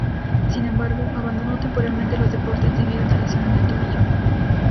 Sin embargo, abandonó temporalmente los deportes debido a una lesión en el tobillo.